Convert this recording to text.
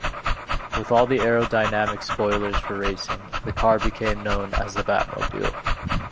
With all the aerodynamic spoilers for racing, the car became known as the 'Batmobile'.